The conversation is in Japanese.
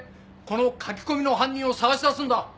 この書き込みの犯人を捜し出すんだ。